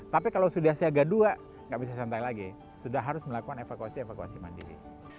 tapi kalau sudah siaga dua nggak bisa santai lagi sudah harus melakukan evakuasi evakuasi mandiri